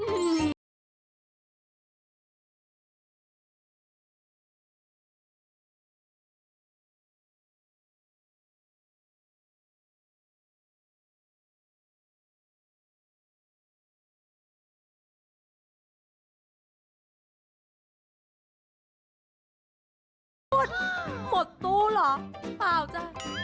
ช่วงเป้าหมดเพราะแคบแคบเสื้อเกินผ่าน